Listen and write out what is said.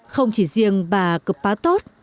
không chỉ riêng bà cấp pá tốt